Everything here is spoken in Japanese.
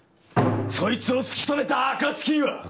そいつを突き止めた暁には！